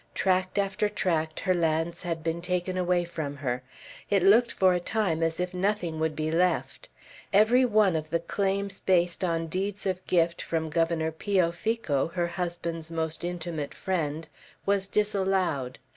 Tract after tract, her lands had been taken away from her; it looked for a time as if nothing would be left. Every one of the claims based on deeds of gift from Governor Pio Fico, her husband's most intimate friend, was disallowed.